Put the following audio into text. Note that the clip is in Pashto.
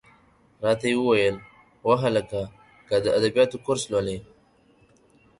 را ته یې وویل: وهلکه! که د ادبیاتو کورس لولې.